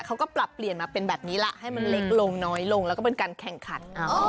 เขาก็ปรับเปลี่ยนมาเป็นแบบนี้ล่ะให้มันเล็กลงน้อยลงแล้วก็เป็นการแข่งขัน